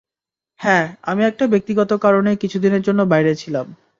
হ্যাঁ, আমি একটা ব্যক্তিগত কারণে কিছুদিনের জন্য বাইরে ছিলাম।